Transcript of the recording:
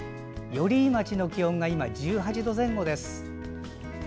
寄居町の気温が今１８度前後です。